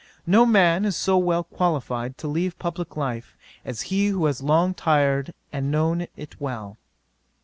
No man is so well qualifyed to leave publick life as he who has long tried it and known it well.